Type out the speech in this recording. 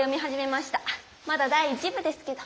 まだ第１部ですけど。